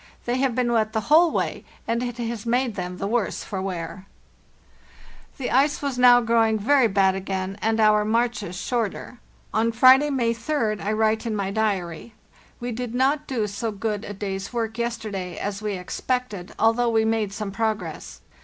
They have been wet the whole way, and it has made them the worse for wear." ge very bad again and our < The ice was now growin marches shorter. On Friday, May 3d, I write in my diary: " We did not do so good a day's work yesterday as we expected, although we made some progress.